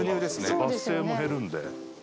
バス停も減るんで。